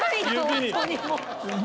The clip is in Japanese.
ホントにもう。